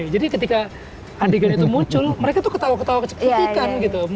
jadi ketika adegan itu muncul mereka tuh ketawa ketawa kecik kecikan gitu